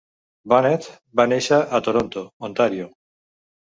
Bunnett va néixer a Toronto, Ontario.